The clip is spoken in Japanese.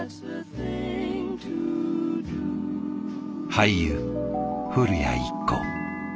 俳優古谷一行。